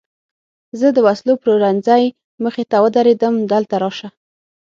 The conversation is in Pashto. زه د وسلو پلورنځۍ مخې ته ودرېدم، دلته راشه.